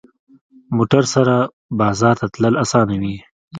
موټر سره بازار ته تلل اسانه وي.